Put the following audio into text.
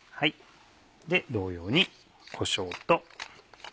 同様にこしょうと。